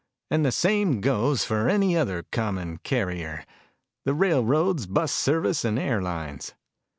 And the same goes for any other common carrier the railroads, bus service, and airlines.